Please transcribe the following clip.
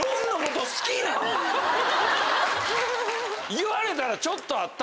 言われたらちょっとあった。